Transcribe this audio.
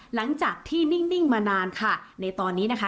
หลังจากที่นิ่งมานานค่ะในตอนนี้นะคะ